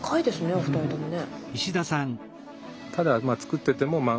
お二人ともね。